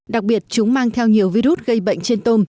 đặc biệt chúng mang theo nhiều virus gây bệnh trên tôm